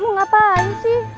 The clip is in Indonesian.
mau ngapain sih